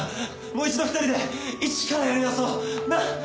もう一度２人で一からやり直そう！なあ？